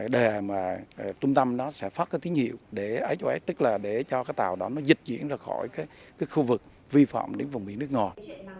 đề trung tâm sẽ phát cái tín hiệu để cho tàu đó dịch diễn ra khỏi khu vực vi phạm vùng biển nước ngoài